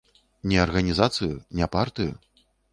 Не арганізацыю, не партыю?